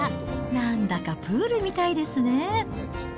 なんだかプールみたいですね。